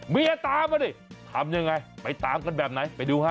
เมียตามมาดิทำยังไงไปตามกันแบบไหนไปดูฮะ